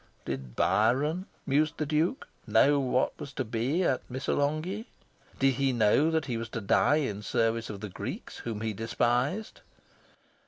Did Byron, mused the Duke, know what was to be at Missolonghi? Did he know that he was to die in service of the Greeks whom he despised?